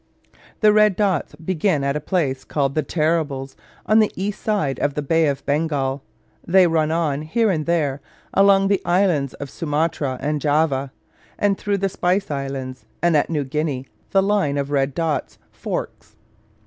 The red dots begin at a place called the Terribles, on the east side of the Bay of Bengal. They run on, here and there, along the islands of Sumatra and Java, and through the Spice Islands; and at New Guinea the line of red dots forks.